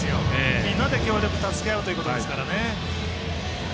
みんなで協力助け合うということですから。